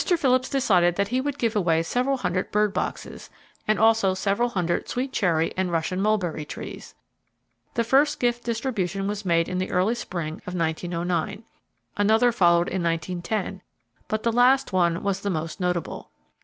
Phillips decided that he would give away several hundred bird boxes, and also several hundred sweet cherry and Russian mulberry trees. The first gift distribution was made in the early spring of 1909. Another followed in 1910, but the last one was the most notable.